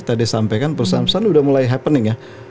tadi sampaikan perusahaan perusahaan udah mulai happening ya